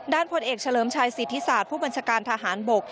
ผลเอกเฉลิมชัยสิทธิศาสตร์ผู้บัญชาการทหารบก